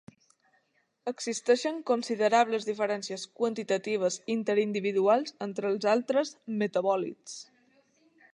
Existeixen considerables diferències quantitatives interindividuals entre els altres metabòlits.